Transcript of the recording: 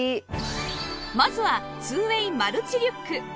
まずは ２ＷＡＹ マルチリュック